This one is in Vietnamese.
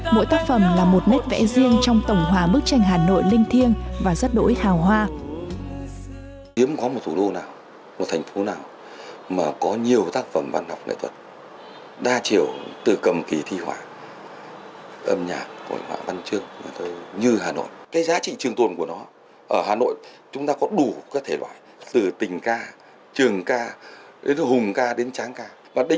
mỗi tác phẩm là một nét vẽ riêng trong tổng hòa bức tranh hà nội linh thiêng và rất đổi hào hoa